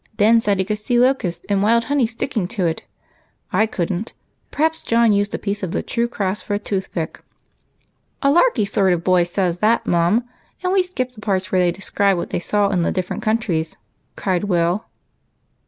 Ben said he could see locust and wild honey sticking •200 EIGHT COUSINS. to it. I could n't. Perhaps John used a jDiece of the true cross for a toothpick.' "" A larky sort of a boy says that, Mum, and we fikij^ the parts where they describe what they saw in the different countries," cried Will.